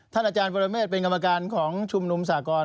อาจารย์ปรเมฆเป็นกรรมการของชุมนุมสากร